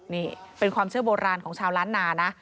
นี่เป็นความเชื่อโบราณของชาวล้านนานะ